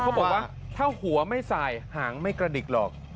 เขาบอกว่าถ้าหัวไม่สายหางไม่กระดิกหรอก